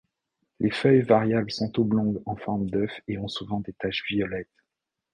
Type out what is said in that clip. Les feuilles variables sont oblongues en forme d'œuf et ont souvent des taches violettes.